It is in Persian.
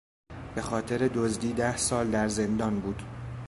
به خاطر دزدی ده سال در زندان بود.